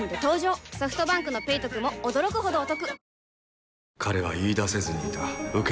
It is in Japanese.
ソフトバンクの「ペイトク」も驚くほどおトク